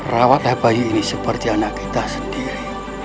rawatlah bayi ini seperti anak kita sendiri